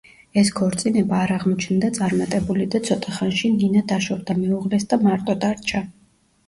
ეს ქორწინება არ აღმოჩნდა წარმატებული და ცოტა ხანში ნინა დაშორდა მეუღლეს და მარტო დარჩა.